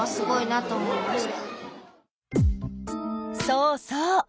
そうそう。